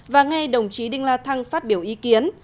và ngay đồng chí đinh la thăng phát biểu ý kiến